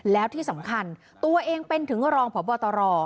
แล้วที่สำคัญตัวเองเป็นถึงรองพบตร